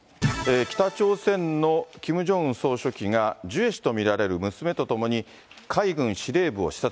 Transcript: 北朝鮮のキム・ジョンウン総書記が、ジュエ氏と見られる娘と共に海軍司令部を視察。